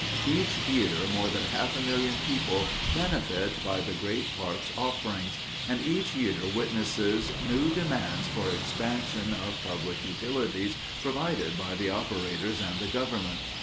Each year, more than a half million people benefit by the great park's offerings, and each year witnesses new demands for expansion of public utilities provided by the operators and the Government.